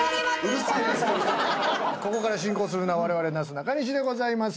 ここから進行するのはわれわれなすなかにしでございます。